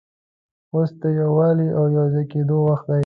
اوس د یووالي او یو ځای کېدلو وخت دی.